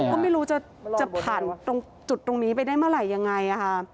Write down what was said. ก็ไม่รู้จะผ่านตรงจุดตรงนี้ไปได้เมื่อไหร่ยังไง